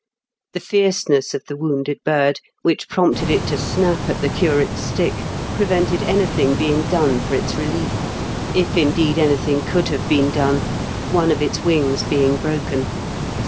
The fierceness of the wounded bird, which prompted it to snap at the curatte's stick, prevented anything being done for its relief, if indeed anything could have been done, one of its wings being broken; so VIEW FROM DOVER CASTLE.